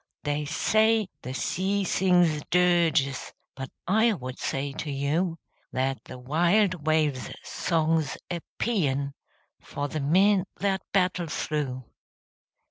They say the sea sings dirges, But I would say to you That the wild wave's song's a paean For the men that battle through.